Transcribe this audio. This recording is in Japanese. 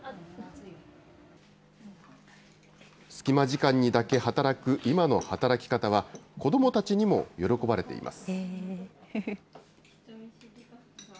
隙間時間にだけ働く今の働き方は、子どもたちにも喜ばれています。